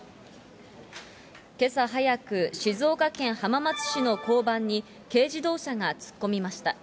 けさ早く、静岡県浜松市の交番に、軽自動車が突っ込みました。